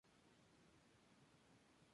Fernando Ruiz Solórzano, Mons.